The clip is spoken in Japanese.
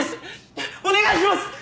ねえお願いします！